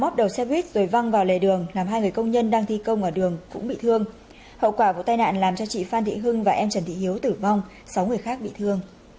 các bạn hãy đăng ký kênh để ủng hộ kênh của chúng mình nhé